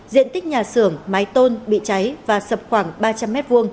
diện tích nhà xưởng mái tôn bị cháy và sập khoảng ba trăm linh m hai